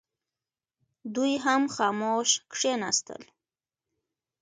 دوی هم خاموش کښېنستل.